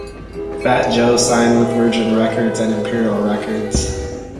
Fat Joe signed with Virgin Records and Imperial Records.